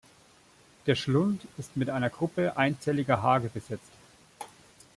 Der Schlund ist mit einer Gruppe einzelliger Haare besetzt.